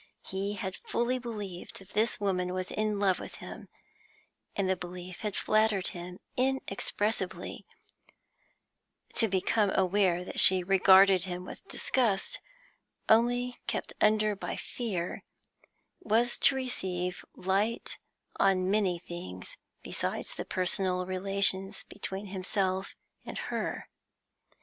He had fully believed that this woman was in love with him, and the belief had flattered him inexpressibly; to become aware that she regarded him with disgust, only kept under by fear, was to receive light on many things besides the personal relations between himself and her.